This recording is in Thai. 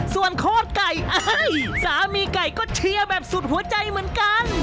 ส่วนโคตรไก่สามีไก่ก็เชียร์แบบสุดหัวใจเหมือนกัน